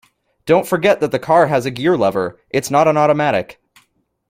Don't forget that the car has a gear lever; it's not an automatic